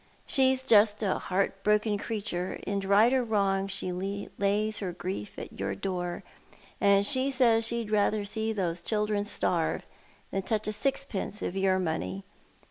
She's just a heart broken creature, and, right or wrong, she lays her grief at your door, and she says she'd rather see those children starve than touch a sixpence of your money.